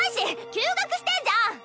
休学してんじゃん！